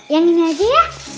yang ini aja ya